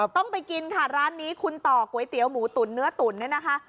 ต้องไปกินค่ะร้านนี้คุณต่อก๋วยเตี๋ยวหมูตุ๋นเนื้อตุ๋นเนี่ยนะคะ